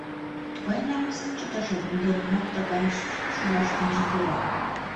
Тугай намысым чытышым, нигӧланат тыгайыш шуаш ынже пӱрӧ!